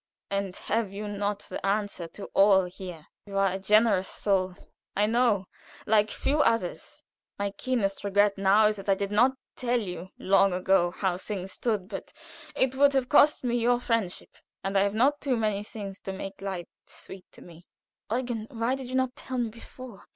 And have you not the answer to all here? You are a generous soul, I know, like few others. My keenest regret now is that I did not tell you long ago how things stood, but it would have cost me your friendship, and I have not too many things to make life sweet to me." "Eugen, why did you not tell me before?